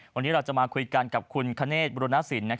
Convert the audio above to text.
วันนี้เราจะมาคุยกันกับคุณคเนธบุรณสิน